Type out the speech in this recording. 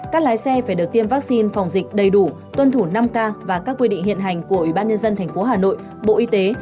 các lái xe phải được tiêm vaccine phòng dịch đầy đủ tuân thủ năm k và các quy định hiện hành của ubnd tp hà nội bộ y tế